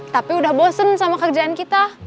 tapi udah bosen sama kerjaan kita